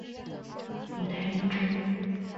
五代因之。